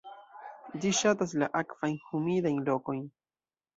Ĝi ŝatas la akvajn, humidajn lokojn.